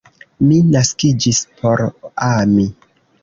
Mi naskiĝis por ami.